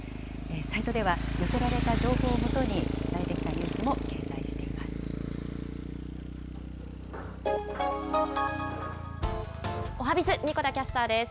サイトでは寄せられた情報を基に、伝えてきたニュースも掲載しています。